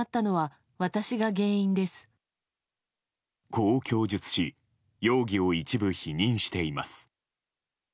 こう供述し容疑を一部否認しています。